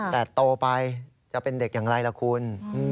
แต่โตไปจะเป็นเด็กอย่างไรล่ะคุณ